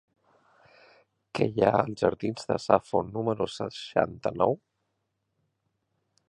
Què hi ha als jardins de Safo número seixanta-nou?